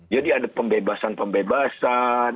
jadi ada pembebasan pembebasan